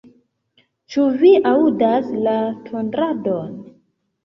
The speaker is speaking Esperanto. Ĉu vi aŭdas la tondradon?